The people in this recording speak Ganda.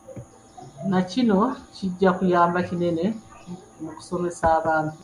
Nakino kijja kuyamba kinene mu kusomesa abantu.